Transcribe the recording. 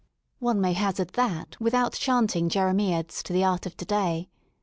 One may hazard that without chanting jeremiads to the art of to day.